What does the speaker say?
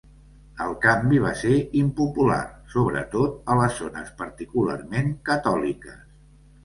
El canvi va ser impopular, sobretot a les zones particularment catòliques.